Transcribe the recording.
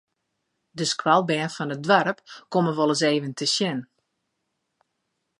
De skoalbern fan it doarp komme wolris even te sjen.